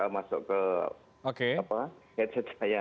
masuk ke headset saya